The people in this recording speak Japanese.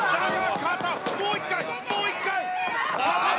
もう一回、もう一回！